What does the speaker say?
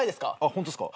ホントですか？